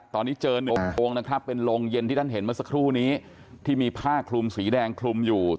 ตอนนี้เจอหนึ่งองค์นะครับเป็นโรงเย็นที่ท่านเห็นเมื่อสักครู่นี้ที่มีผ้าคลุมสีแดงคลุมอยู่